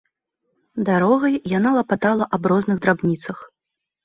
Дарогай яна лапатала аб розных драбніцах.